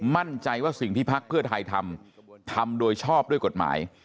มั่นใจว่าสิ่งที่พักเพื่อไทยทำทำโดยชอบด้วยกฎหมาย